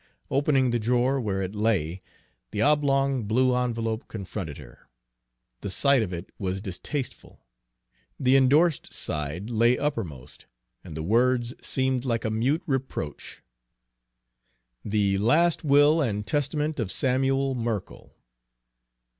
Opening the drawer where it lay, the oblong blue envelope confronted her. The sight of it was distasteful. The indorsed side lay uppermost, and the words seemed like a mute reproach: "The Last Will and Testament of Samuel Merkell."